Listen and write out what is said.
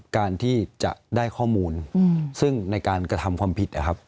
การที่จะได้ข้อมูลซึ่งในการกระทำความผิดนะครับ